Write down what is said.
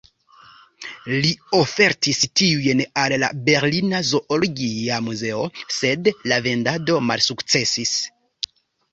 Li ofertis tiujn al la Berlina Zoologia Muzeo, sed la vendo malsukcesis.